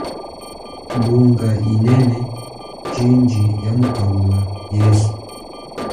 Mbunga inene chindji ya mukaula yesu.